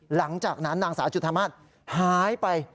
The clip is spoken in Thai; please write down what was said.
หลังจากนั้นนางสาวจุธามาศหายไป